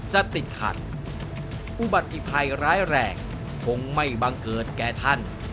จะติดขัดอุบัติภัยร้ายแรงคงไม่บังเกิดแก่ท่าน